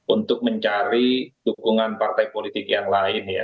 untuk mencari dukungan partai politik yang lain ya